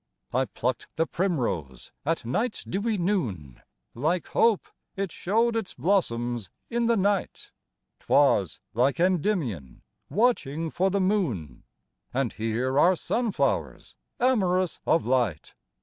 I pluck'd the Primrose at night's dewy noon; Like Hope, it show'd its blossoms in the night; 'Twas, like Endymion, watching for the Moon! And here are Sun flowers, amorous of light!